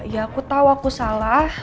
iya aku tau aku salah